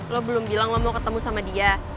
lo belum bilang lo mau ketemu sama dia